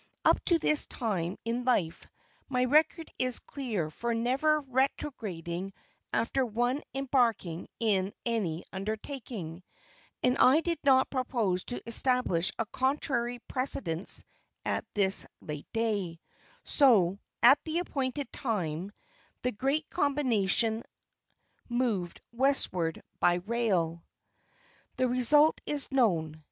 Up to this time in life, my record is clear for never retrograding after once embarking in any undertaking, and I did not propose to establish a contrary precedent at this late day, so, at the appointed time, the great combination moved westward by rail: The result is known.